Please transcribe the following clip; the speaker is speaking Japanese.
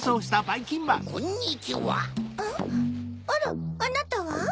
あなたは？